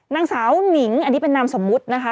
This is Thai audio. นางสาวหนิงอันนี้เป็นนามสมมุตินะคะ